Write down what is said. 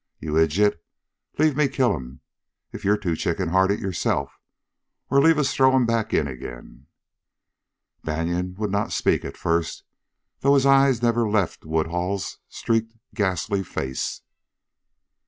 Ye idjit, leave me kill him, ef ye're too chicken hearted yoreself! Or leave us throw him back in again!" Banion would not speak at first, though his eyes never left Woodhull's streaked, ghastly face.